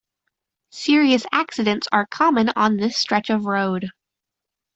Serious accidents are common on this stretch of road.